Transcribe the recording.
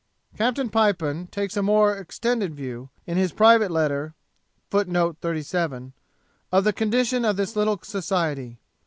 Captain Pipon takes a more extended view, in his private letter, of the condition of this little society.